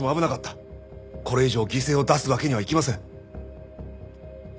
これ以上犠牲を出すわけにはいきません。